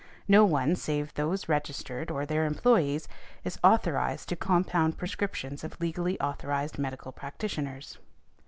No one, save those registered or their employeés, is authorized to compound prescriptions of legally authorized medical practitioners.